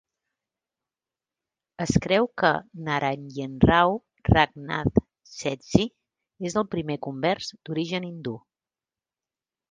Es creu que Narayenrao Rangnath Shethji és el primer convers d'origen hindú.